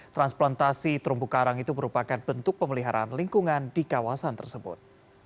transplantasi terumbu karang itu merupakan bentuk pemeliharaan lingkungan di kawasan tersebut